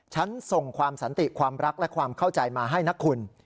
ฉันส่งความสันติความรักและความเข้าใจมาให้นะคุณ